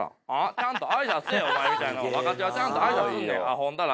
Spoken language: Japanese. ちゃんと挨拶せえお前みたいなの若手はちゃんと挨拶すんねやアホンダラ